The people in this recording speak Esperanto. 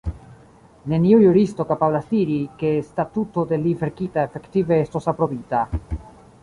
Neniu juristo kapablas diri, ke statuto de li verkita efektive estos aprobita.